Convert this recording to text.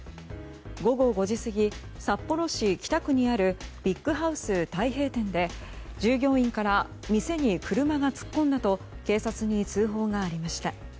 午後５時過ぎ、札幌市北区にあるビッグハウス太平店で従業員から店に車が突っ込んだと警察に通報がありました。